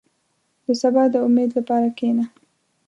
• د سبا د امید لپاره کښېنه.